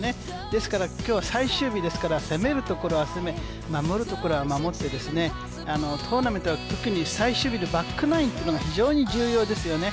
ですから今日は最終日ですから攻めるところは攻め守るところは守って、トーナメントは特に最終日でバックナインっていうのが非常に重要ですよね。